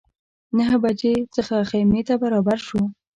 نهه بجو څخه خیمې ته برابر شوو.